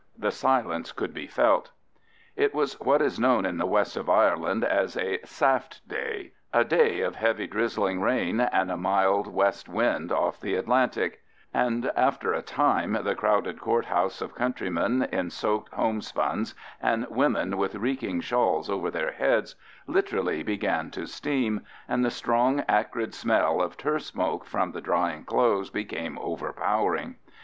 the silence could be felt. It was what is known in the west of Ireland as a "saft day"—a day of heavy drizzling rain and a mild west wind off the Atlantic, and after a time the crowded court house of countrymen in soaked home spuns and women with reeking shawls over their heads literally began to steam, and the strong acrid smell of turf smoke from the drying clothes became overpowering.